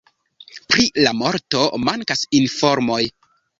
Pri la morto mankas informoj.